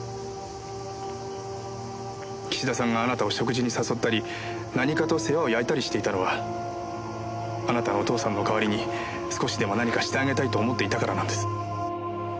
岸田さんがあなたを食事に誘ったり何かと世話を焼いたりしていたのはあなたのお父さんの代わりに少しでも何かしてあげたいと思っていたからなんです。